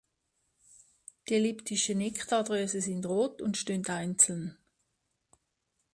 Die elliptischen Nektardrüsen sind rot und stehen einzeln.